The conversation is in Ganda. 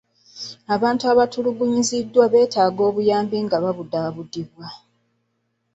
Abantu abatulugunyiziddwa beetaaga obuyambi nga babudaabudibwa.